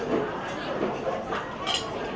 โปรดติดตามต่อไป